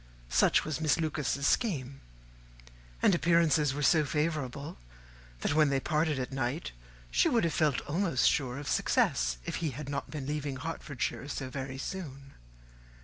Such was Miss Lucas's scheme; and appearances were so favourable, that when they parted at night, she would have felt almost sure of success if he had not been to leave Hertfordshire so very soon.